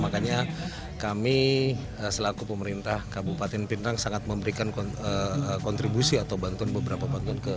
makanya kami selaku pemerintah kabupaten pinang sangat memberikan kontribusi atau bantuan beberapa bantuan